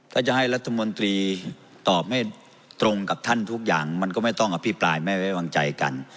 ถ้าจะให้รัฐมนตรีตอบไม่ตรงกับท่านทุกอย่างมันก็ไม่ต้องอภิปรายไม่ไว้วางใจกัน